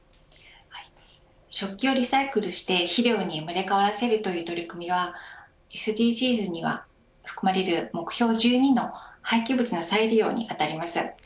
食器をリサイクルして肥料に生まれ変わらせるという取り組みはＳＤＧｓには含まれる、目標１２の廃棄物の再利用に当たります。